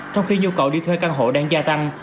trong khi nhu cầu đi thuê căn hộ đang gia tăng